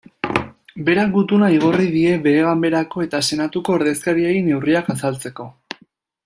Berak gutuna igorri die Behe-Ganberako eta Senatuko ordezkariei neurriak azaltzeko.